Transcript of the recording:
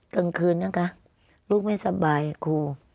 กลางคืนนะคะลูกไม่สบายครู